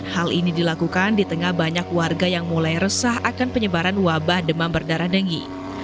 hal ini dilakukan di tengah banyak warga yang mulai resah akan penyebaran wabah demam berdarah dengi